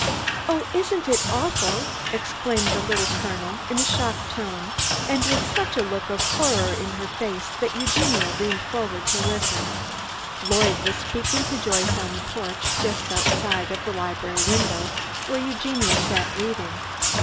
"Oh, isn't it awful!" exclaimed the Little Colonel, in a shocked tone, and with such a look of horror in her face that Eugenia leaned forward to listen. Lloyd was speaking to Joyce on the porch just outside of the library window, where Eugenia sat reading.